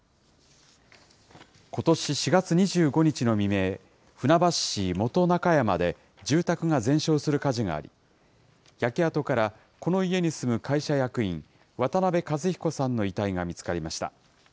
ことし４月２５日の未明、船橋市本中山で住宅が全焼する火事があり、焼け跡からこの家に住む会社役員、渡邉和彦さんの遺体が見つかりました。